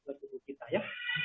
untuk tubuh kita ya